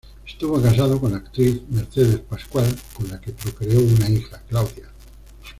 Estuvo casado con la actriz Mercedes Pascual, con la que procreó una hija, Claudia.